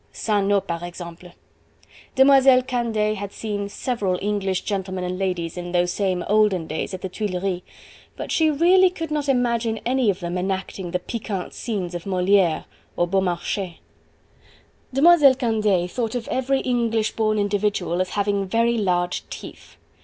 ca non, par example! Demoiselle Candeille had seen several English gentlemen and ladies in those same olden days at the Tuileries, but she really could not imagine any of them enacting the piquant scenes of Moliere or Beaumarchais. Demoiselle Candeille thought of every English born individual as having very large teeth.